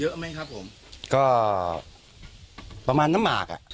เยอะไหมครับผมก็ประมาณน้ำหมากอ่ะ